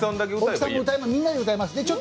みんなで歌います。